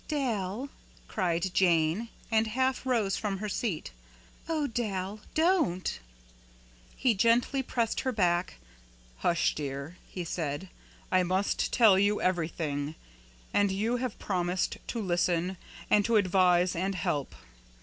"Dal!" cried Jane, and half rose from her seat. "Oh, Dal, don't!" He gently pressed her back. "Hush, dear," he said. "I must tell you everything, and you have promised to listen, and to advise and help.